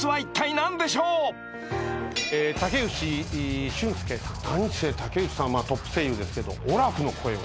何せ武内さんトップ声優ですけどオラフの声を。